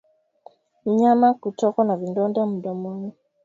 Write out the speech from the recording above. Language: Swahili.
Mnyama kutokwa na vidonda mdomoni